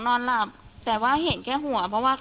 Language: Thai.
ใช่แล้วเห็นน้องนอนหลับ